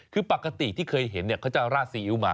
คือปกติที่เคยเห็นเขาจะราดซีอิ๊วมา